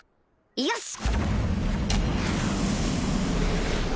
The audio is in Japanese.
よし！